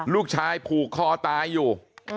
ลูกชายผูกคอตายอยู่